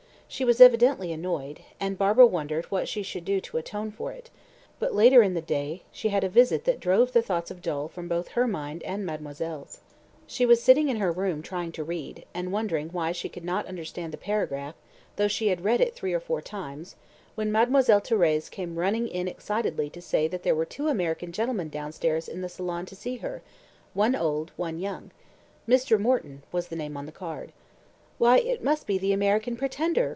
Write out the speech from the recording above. She was evidently annoyed, and Barbara wondered what she should do to atone for it; but later in the day she had a visit that drove the thoughts of Dol from both her mind and mademoiselle's. She was sitting in her room trying to read, and wondering why she could not understand the paragraph, though she had read it three or four times, when Mademoiselle Thérèse came running in excitedly to say there were two American gentlemen downstairs in the salon to see her one old, one young. "Mr. Morton," was the name on the card. "Why, it must be the American pretender!"